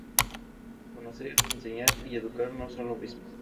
Conocer, enseñar y educar no son lo mismo.